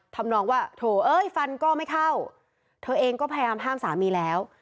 ทำนองว่าโถเอ้ยฟันก็ไม่เข้าเธอเองก็พยายามห้ามสามีแล้ว